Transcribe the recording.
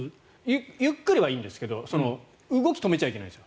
ゆっくりはいいんですけど動きを止めちゃいけないんです。